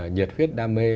nhiệt huyết đam mê